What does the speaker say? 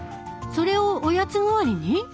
それをおやつ代わりに？